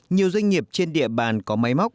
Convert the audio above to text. nhiều doanh nghiệp trên địa bàn có máy móc